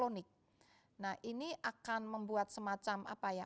nah ini akan membuat semacam apa ya